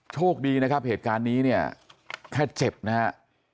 โชคดีนะครับเหตุการณ์นี้เนี่ยแค่เจ็บนะฮะ